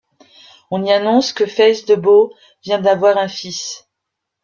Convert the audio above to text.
On y annonce que Face de Boe vient d'avoir un fils.